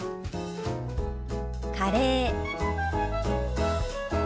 「カレー」。